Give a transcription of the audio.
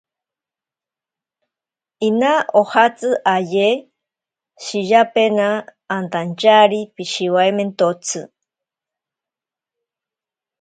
Ina ojatsi aye shiyapena antachari pishiwaimentotsi.